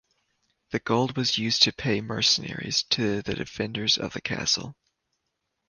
The gold was used to pay mercenaries to the defenders of the castle.